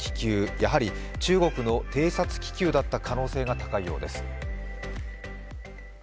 やはり中国の偵察気球だった可能性が高いようです。